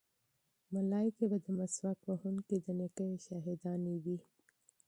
ملایکې به د مسواک وهونکي د نیکیو شاهدانې وي.